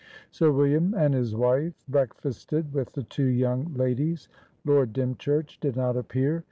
Sir William and his wife breakfasted with the two young ladies. Lord Dymchurch did not appear.